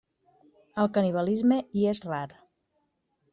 El canibalisme hi és rar.